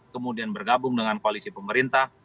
kemudian bergabung dengan koalisi pemerintah